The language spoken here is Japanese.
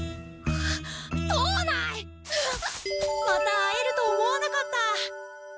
また会えると思わなかった。